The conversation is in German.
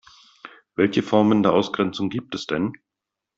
Welche Formen der Ausgrenzung gibt es denn?